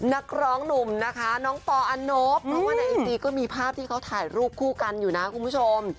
นักร้องหนุ่มนะคะน้องปออันนบเพราะว่าในไอจีก็มีภาพที่เขาถ่ายรูปคู่กันอยู่นะคุณผู้ชม